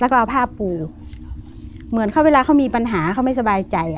แล้วก็เอาผ้าปูเหมือนเขาเวลาเขามีปัญหาเขาไม่สบายใจ